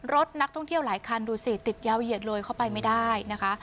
รถนักท่องเที่ยวหลายคันดูสิติดยาวเหยียดเลยเข้าไปไม่ได้นะคะ